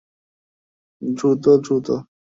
দ্রুত, দ্রুত।